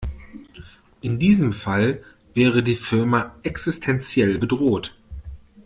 In diesem Fall wäre die Firma existenziell bedroht.